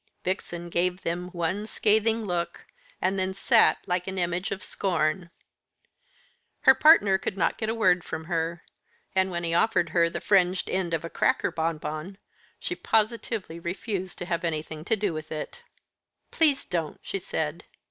Vixen gave them one scathing look, and then sat like an image of scorn. Her partner could not get a word from her, and when he offered her the fringed end of a cracker bonbon, she positively refused to have anything to do with it. "Please don't," she said.